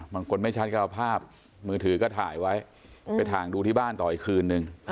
บางคนไม่ชัดก็เอาภาพมือถือก็ถ่ายไว้ไปถ่ายดูที่บ้านต่ออีกคืนนึง